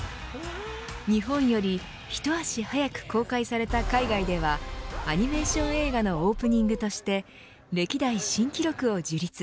日本より一足早く公開された海外ではアニメーション映画のオープニングとして歴代新記録を樹立。